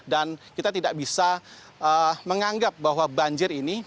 kita tidak bisa menganggap bahwa banjir ini